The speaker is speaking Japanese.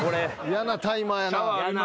嫌なタイマーやな。